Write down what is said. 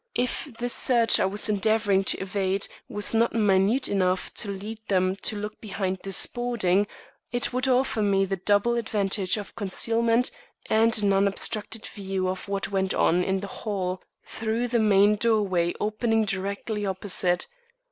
If the search I was endeavouring to evade was not minute enough to lead them to look behind this boarding, it would offer me the double advantage of concealment and an unobstructed view of what went on in the hall, through the main doorway opening directly opposite.